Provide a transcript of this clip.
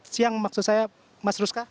siang maksud saya mas ruska